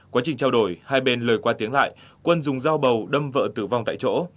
quá trình trao đổi hai bên lời qua tiếng lại quân dùng dao bầu đâm vợ tử vong tại chỗ